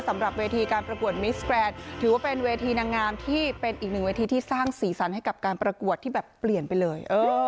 สำหรับเวทีการประกวดมิสแกรนด์ถือว่าเป็นเวทีนางงามที่เป็นอีกหนึ่งเวทีที่สร้างสีสันให้กับการประกวดที่แบบเปลี่ยนไปเลย